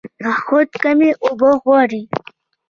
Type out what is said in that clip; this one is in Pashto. نخود کمې اوبه غواړي.